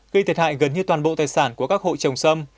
gây thiệt hại gần như toàn bộ tài sản của các hội trồng sâm